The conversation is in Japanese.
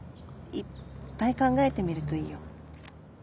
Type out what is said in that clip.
いっぱい考えてみるといいよ